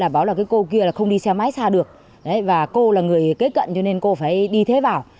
báo là cô kia không đi xe máy xa được và cô là người kế cận cho nên cô phải đi thế vào